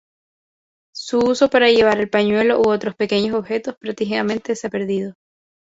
Su uso para llevar el pañuelo u otros pequeños objetos, prácticamente se ha perdido.